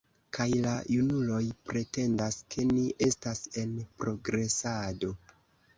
Kaj la junuloj pretendas, ke ni estas en progresado!